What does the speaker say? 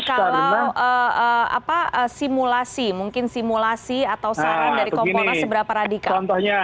kalau simulasi mungkin simulasi atau saran dari komponas seberapa radikal